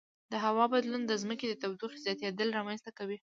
د هوا بدلون د ځمکې د تودوخې زیاتیدل رامنځته کوي.